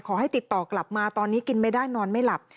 ติดต่อกลับมาตอนนี้กินไม่ได้นอนไม่หลับ